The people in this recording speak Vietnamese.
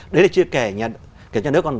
đấy là chưa kể nhà nước